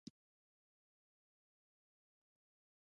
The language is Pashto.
آیا دوی ژوندي لوبسټر چین ته نه لیږي؟